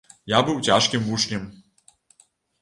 Я быў цяжкім вучнем.